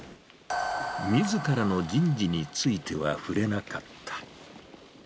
みずからの人事についてはふれなかった。